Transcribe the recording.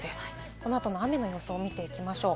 この後の雨の様子を見ていきましょう。